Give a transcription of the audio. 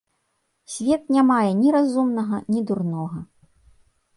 Свет не мае ні разумнага, ні дурнога.